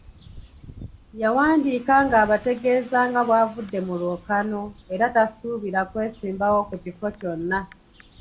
Yawandiika ng'abategeeza nga bw'avudde mu lwokaano era tasuubira kwesimbawo ku kifo kyonna.